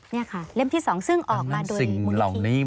นี่ค่ะเล่มที่๒ซึ่งออกมาโดยมูลนี้